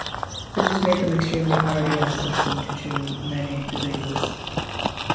This has made them extremely hardy and resistant to many diseases.